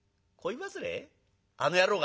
あの野郎が？